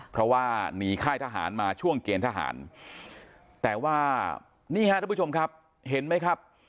เพราะว่าหนีค่ายทหารมาช่วงเกณฑ์ทหารแต่ว่านี่ฮะทุกผู้ชมครับเห็นไหมครับ